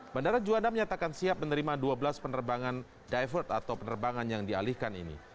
bandara juanda menyatakan siap menerima dua belas penerbangan divert atau penerbangan yang dialihkan ini